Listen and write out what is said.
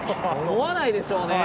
思わないでしょうね。